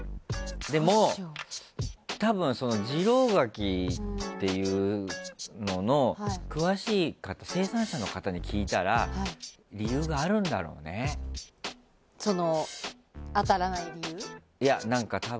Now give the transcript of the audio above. でも、次郎柿っていうのの詳しい生産者の方に聞いたら当たらない理由？